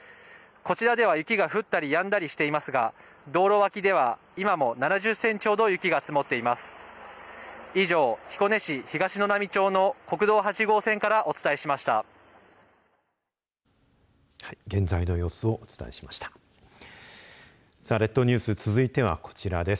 こちらでは雪が降ったりやんだりしていますが道路脇では今も７０センチ程雪が積もっています。